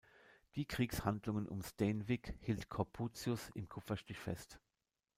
Die Kriegshandlungen um Steenwijk hielt Corputius im Kupferstich fest.